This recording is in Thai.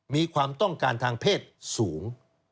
มีความต้องการทางเพศสูง